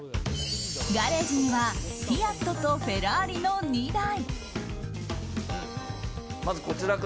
ガレージにはフィアットとフェラーリの２台。